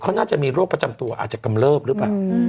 เขาน่าจะมีโรคประจำตัวอาจจะกำเลิบหรือเปล่า